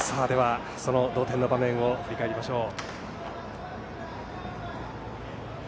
その同点の場面を振り返りましょう。